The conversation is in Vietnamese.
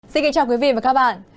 xin kính chào quý vị và các bạn